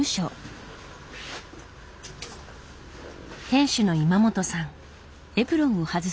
店主の今本さん。